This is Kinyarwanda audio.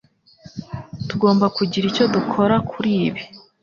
Tugomba kugira icyo dukora kuri ibi.